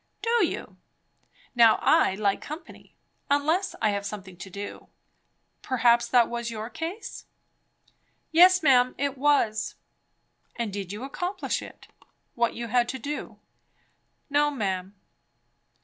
"Do you! Now I like company; unless I have something to do. Perhaps that was your case, eh?" "Yes, ma'am, it was." "And did you accomplish it? what you had to do." "No, ma'am."